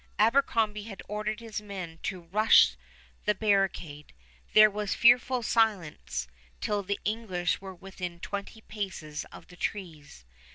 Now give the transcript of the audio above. Abercrombie had ordered his men to rush the barricade. There was fearful silence till the English were within twenty paces of the trees.